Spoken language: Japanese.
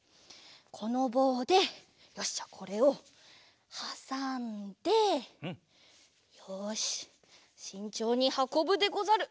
このぼうでよしじゃあこれをはさんでよししんちょうにはこぶでござる！